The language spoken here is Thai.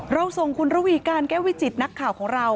ส่งคุณระวีการแก้ววิจิตนักข่าวของเรา